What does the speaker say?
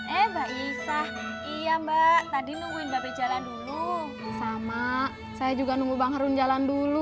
eh mbak isah iya mbak tadi nungguin bape jalan dulu sama saya juga nunggu bang harun jalan dulu